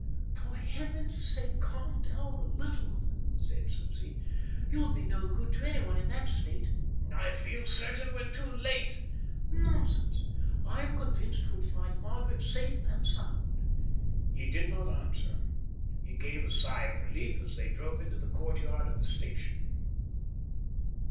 "For Heaven's sake, calm down a little," said Susie. "You'll be no good to anyone in that state." "I feel certain we're too late." "Nonsense! I'm convinced that you'll find Margaret safe and sound." He did not answer. He gave a sigh of relief as they drove into the courtyard of the station.